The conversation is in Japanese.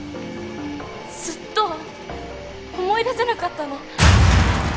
ずっと思い出せなかったの。